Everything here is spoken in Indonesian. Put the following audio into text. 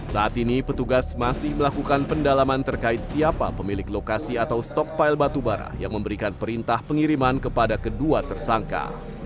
saat ini petugas masih melakukan pendalaman terkait siapa pemilik lokasi atau stok pile batu bara yang memberikan perintah pengiriman kepada kedua tersangka